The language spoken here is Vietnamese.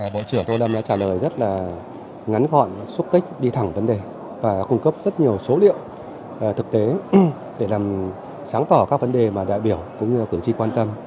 bộ trưởng tô lâm đã trả lời rất là ngắn gọn xúc tích đi thẳng vấn đề và cung cấp rất nhiều số liệu thực tế để làm sáng tỏ các vấn đề mà đại biểu cũng như cử tri quan tâm